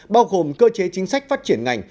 bao gồm cơ chế chính sách phát triển ngành